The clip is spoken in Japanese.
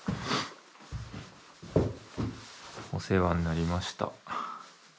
お世話になりました。